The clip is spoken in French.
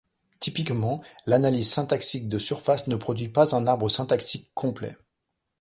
Typiquement, l’analyse syntaxique de surface ne produit pas un arbre syntaxique complet.